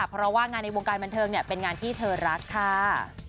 เพราะว่างานในวงการบันเทิงเป็นงานที่เธอรักค่ะ